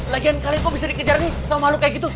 lagian kali kok bisa dikejar nih kalau malu kayak gitu